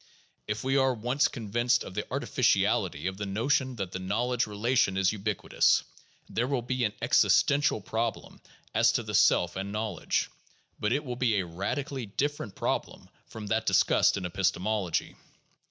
If we are once convinced of the artificiality of the notion that the knowledge rela tion is ubiquitous, there will be an existential problem as to the self and knowledge ; but it will be a radically different problem from that discussed in epistemology.